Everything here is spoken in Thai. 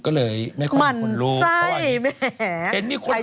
ก็เลยไม่ค่อยมีคนรู้